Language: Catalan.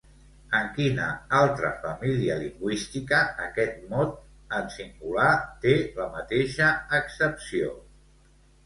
En quina altra família lingüística aquest mot en singular té la mateixa accepció?